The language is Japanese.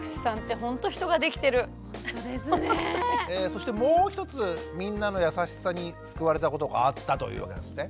そしてもう一つみんなの優しさに救われたことがあったというわけですね？